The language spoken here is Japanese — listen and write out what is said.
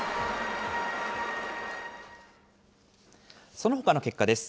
そのほかの結果です。